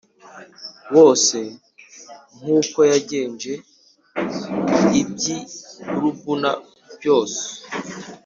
bose nk uko yagenje iby i Libuna byose